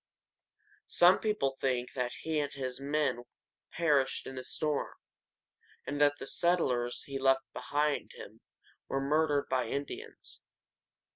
Some people think that he and his men perished in a storm, and that the settlers he left behind him were murdered by the Indians.